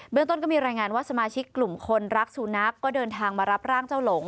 เรื่องต้นก็มีรายงานว่าสมาชิกกลุ่มคนรักสุนัขก็เดินทางมารับร่างเจ้าหลง